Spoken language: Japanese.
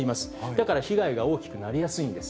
だから被害が大きくなりやすいんです。